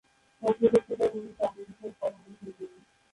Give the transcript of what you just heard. পত্র-পত্রিকায় নিয়মিত আইন বিষয় কলাম লিখেন তিনি।